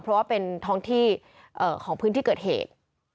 เพราะว่าเป็นท้องที่ของพื้นที่เกิดเหตุ